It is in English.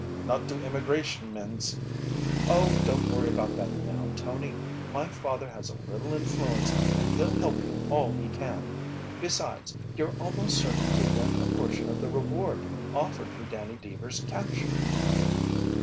"Not to Immigration mens!" "Oh, don't worry about that now, Tony! My father has a little influence and he'll help you all he can. Besides, you're almost certain to win a portion of the reward offered for Danny Deevers' capture."